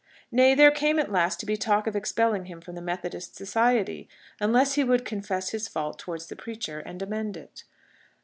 Nay, there came at last to be a talk of expelling him from the Methodist Society, unless he would confess his fault towards the preacher, and amend it.